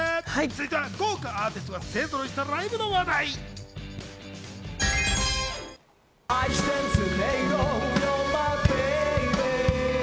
続いては豪華アーティストが勢揃いしたライブの話題です。